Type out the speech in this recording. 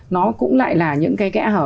nó cũng lại là những cái kẽ hở